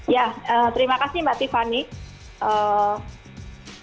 ya terima kasih mbak tiffany